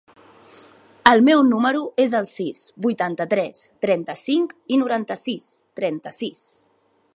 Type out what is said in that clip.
El meu número es el sis, vuitanta-tres, trenta-cinc, noranta-sis, trenta-sis.